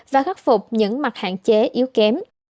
và khắc phục những mặt hạn chế yếu kém